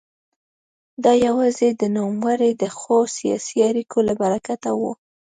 دا یوازې د نوموړي د ښو سیاسي اړیکو له برکته وه.